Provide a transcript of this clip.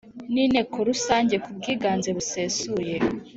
n Inteko Rusange ku bwiganze busesuye